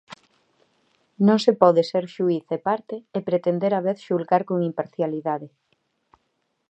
Non se pode ser xuíz e parte e pretender á vez xulgar con imparcialidade.